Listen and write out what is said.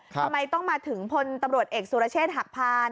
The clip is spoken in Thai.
ทำไมต้องมาถึงพลตำรวจเอกสุรเชษฐ์หักพาน